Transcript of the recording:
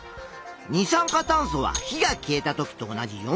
二酸化炭素は火が消えた時と同じ４％。